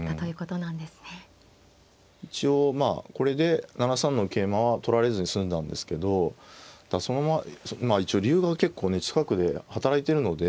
一応まあこれで７三の桂馬は取られずに済んだんですけどまあ一応竜が結構ね近くで働いてるので